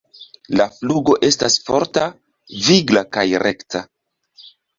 La flugo estas forta, vigla kaj rekta.